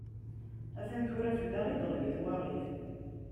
Atan tura fell-aɣ i d-teɣli twaɣit!